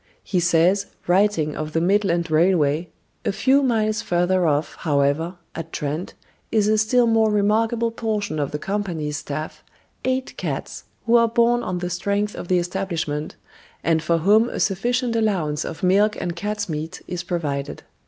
He says, writing of the Midland Railway: "A few miles further off, however at Trent is a still more remarkable portion of the company's staff, eight cats, who are borne on the strength of the establishment, and for whom a sufficient allowance of milk and cats' meat is provided.